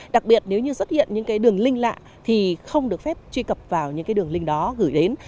đặc biệt nếu như xuất hiện những cái đường link lạ thì không được phép truy cập vào những cái đường link đó gửi đến